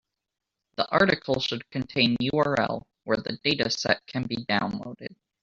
The article should contain URL where the dataset can be downloaded.